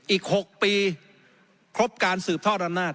อีก๖ปีครบการสืบทอดอำนาจ